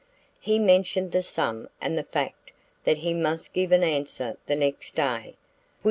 He mentioned the sum and the fact that he must give an answer the next day.